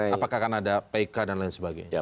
apakah akan ada pk dan lain sebagainya